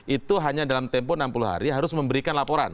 itu hanya dalam tempo enam puluh hari harus memberikan laporan